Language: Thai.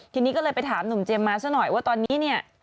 ทีนี้ก็เลยไปถามหนุ่มเจมมาซะหน่อยว่าตอนนี้เนี่ย